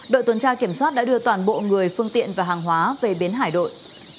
đội tuần tra kiểm soát đã đưa toàn bộ người phương tiện và hàng hóa về biến hải đội